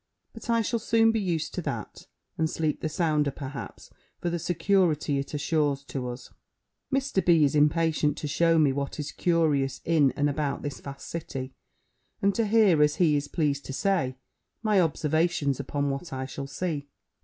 But I shall soon be used to that, and sleep the sounder, perhaps, for the security it assures to us. Mr. B. is impatient to shew me what is curious in and about this vast city, and to hear, as he is pleased to say, my observations upon what I shall see.